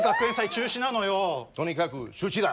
とにかく中止だ！